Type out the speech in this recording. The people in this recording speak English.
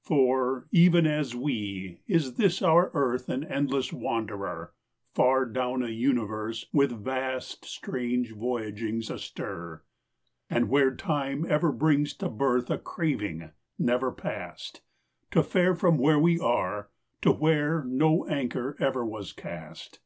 For, even as we, is this our earth An endless wanderer Far down a universe with vast Strange voyagings astir; And where time ever brings to birth A craving, never past, To fare from where we are, to where No anchor ever was cast.